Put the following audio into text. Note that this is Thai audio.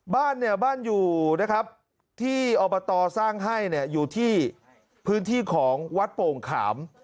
บ้านอยู่นะครับที่อบตสร้างให้อยู่ที่พื้นที่ของวัดโป่งขาม